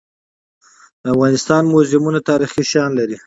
د افغانستان موزیمونه تاریخي شیان لري.